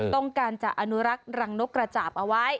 ต้องการจะอนุรักษ์รังนกกระจาบเอาไว้